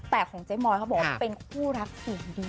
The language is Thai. แต่ของเจ๊มอยเขาบอกว่าเป็นคู่รักเสียงดี